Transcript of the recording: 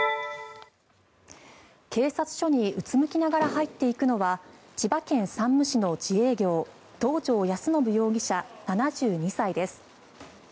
警察署にうつむきながら入っていくのは千葉県山武市の自営業東條安伸容疑者、７２歳です。